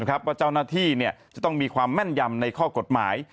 ว่าเจ้าหน้าที่จะต้องมีความแม่นยำในข้อกฎหมาย